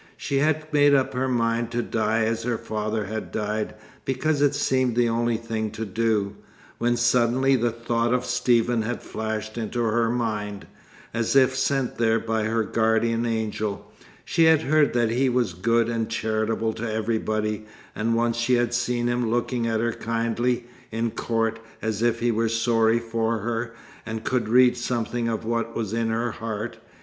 She had made up her mind to die as her father had died, because it seemed the only thing to do, when suddenly the thought of Stephen had flashed into her mind, as if sent there by her guardian angel. She had heard that he was good and charitable to everybody, and once she had seen him looking at her kindly, in court, as if he were sorry for her, and could read something of what was in her heart.